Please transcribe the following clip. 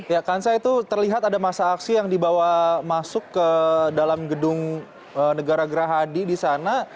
ya kansa itu terlihat ada masa aksi yang dibawa masuk ke dalam gedung negara gerahadi di sana